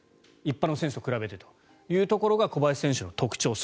一般の選手と比べてというところが小林選手の特徴。